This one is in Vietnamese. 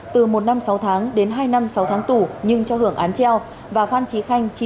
từ một năm sáu tháng đến hai năm sáu tháng tù nhưng cho hưởng án treo và phan trí khanh